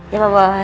ya pak bos